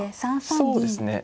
そうですね。